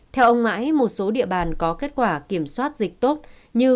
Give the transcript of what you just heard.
theo ông mãi một số địa bàn có kết quả kiểm soát dịch tốt như